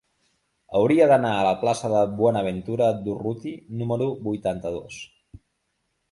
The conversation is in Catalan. Hauria d'anar a la plaça de Buenaventura Durruti número vuitanta-dos.